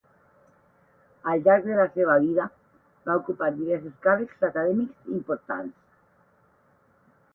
Al llarg de la seva vida va ocupar diversos càrrecs acadèmics importants.